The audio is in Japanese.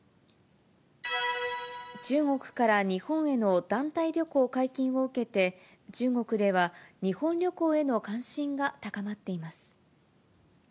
中国から日本への団体旅行解禁を受けて、中国では、日本旅行への関心が高まっています。